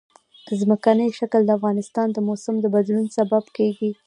ځمکنی شکل د افغانستان د موسم د بدلون سبب کېږي.